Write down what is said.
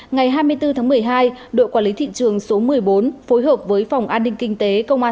ngày hai mươi bốn tháng một mươi hai đội quản lý thị trường số một mươi bốn phối hợp với phòng an ninh kinh tế công an